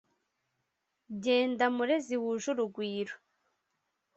Jyenda Murezi wuje urugwiro!